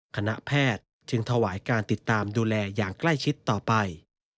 คณะแพทย์จึงถวายการติดตามดูแลอย่างใกล้ชิดต่อไป